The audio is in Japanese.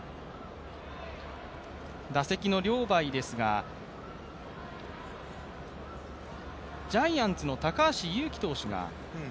打席のリョウ・バイですが、ジャイアンツの高橋優貴投手が。